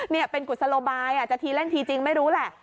นี่เป็นกุศโลบายอาจจะทีเล่นทีจริงไม่รู้แหละ